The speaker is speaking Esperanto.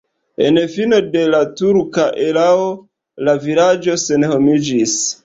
En fino de la turka erao la vilaĝo senhomiĝis.